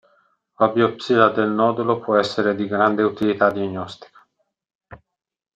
La biopsia del nodulo può essere di grande utilità diagnostica.